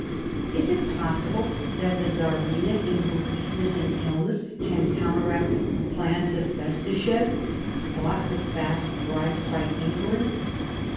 Is it possible that the Czarina, in her weakness and illness, can counteract the plans of Bestuchef , bought with vast bribes by England?